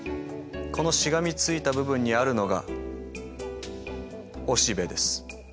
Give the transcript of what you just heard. このしがみついた部分にあるのがおしべです。